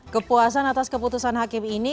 kepuasan atas keputusan hakim ini